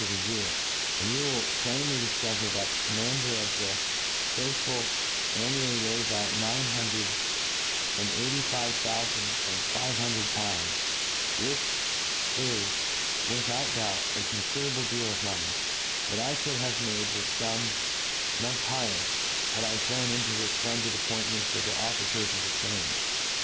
D U C f I 6 N; ttpchcc by the days of a year, and you wili^ l^inly idifcovcir; that the commander of the faith* ful annually lays out nine hundred and eighty«five thoufand and five hundred pounds. This is^trith; but doubt, ^ confiderable deal of money ; but I could have made the fum much higher, had I thrown into it the fplendid appointments of the officers of the' train.